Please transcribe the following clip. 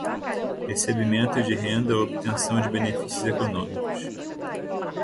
recebimento de renda ou obtenção de benefícios econômicos;